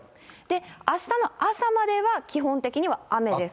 あしたの朝までは、基本的には雨です。